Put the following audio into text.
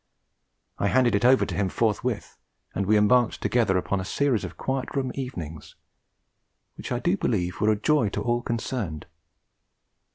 I handed it over to him forthwith, and we embarked together upon a series of Quiet Room Evenings, which I do believe were a joy to all concerned.